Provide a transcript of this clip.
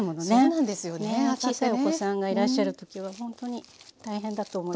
小さいお子さんがいらっしゃる時はほんとに大変だと思います。